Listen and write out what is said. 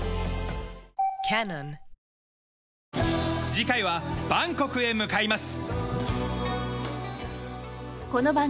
次回はバンコクへ向かいます。